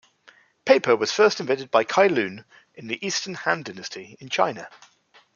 Paper was first invented by Cai Lun in the Eastern Han Dynasty in China.